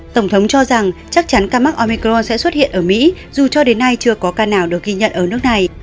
tổng thống cho rằng chắc chắn ca mắc omicro sẽ xuất hiện ở mỹ dù cho đến nay chưa có ca nào được ghi nhận ở nước này